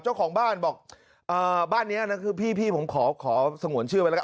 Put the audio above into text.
เจ้าของบ้านบอกบ้านนี้นะคือพี่ผมขอสงวนชื่อไปแล้วกัน